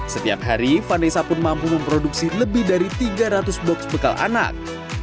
setiap hari vanessa pun mampu memproduksi lebih dari tiga ratus box bekal anak